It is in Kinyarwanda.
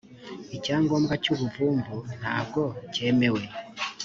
icyangombwa cy’ubuvumvu ntago cyemewe